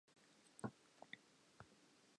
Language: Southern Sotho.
Sena ke seo bana ba mmolellang sona.